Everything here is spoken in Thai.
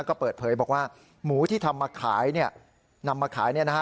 ก็เปิดเผยบอกว่าหมูที่ทำมาขายเนี่ยนำมาขายเนี่ยนะฮะ